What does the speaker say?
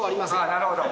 なるほど。